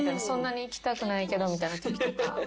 そんなに行きたくないけどみたいなときとか。